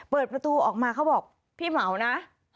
เปิดประตูออกมาเขาบอกพี่เหมานะ